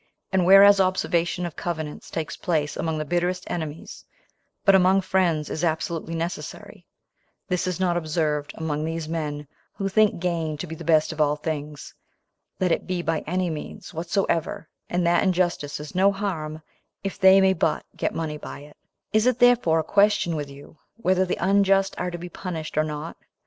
And whereas observation of covenants takes place among the bitterest enemies, but among friends is absolutely necessary, this is not observed among these men, who think gain to be the best of all things, let it be by any means whatsoever, and that injustice is no harm, if they may but get money by it: is it therefore a question with you, whether the unjust are to be punished or not?